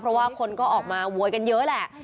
เพราะว่าคนก็ออกมาโวยกันเยอะแหละ